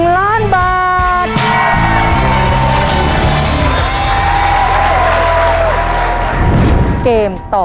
๑ล้านบาท